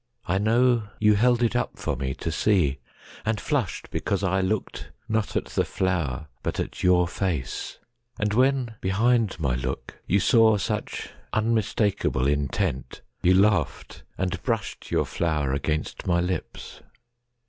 I know, you held it up for me to seeAnd flushed because I looked not at the flower, But at your face; and when behind my lookYou saw such unmistakable intentYou laughed and brushed your flower against my lips.